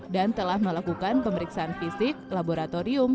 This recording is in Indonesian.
dan telah melakukan pemeriksaan fisik laboratorium